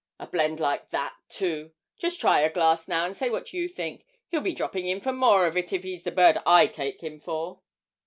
a blend like that, too. Just try a glass, now, and say what you think he'll be dropping in for more of it if he's the bird I take him for!'